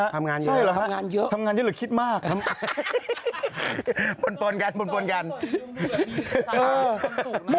ทำงานเห็นเลยพวกนี้ทำงานเยอะ